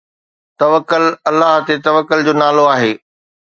توڪل الله تي توڪل جو نالو آهي.